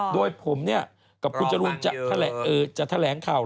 ด้วยผมเนี่ยกับคุณจรูนจะแถลงข่าว